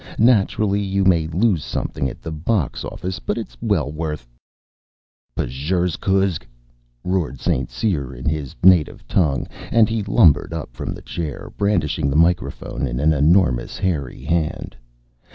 Naturally you may lose something at the box office, but it's well worth " "Pjrzqxgl!" roared St. Cyr in his native tongue, and he lumbered up from the chair, brandishing the microphone in an enormous, hairy hand.